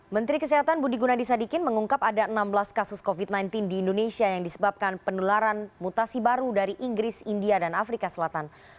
menteri kesehatan budi gunadisadikin mengungkap ada enam belas kasus covid sembilan belas di indonesia yang disebabkan penularan mutasi baru dari inggris india dan afrika selatan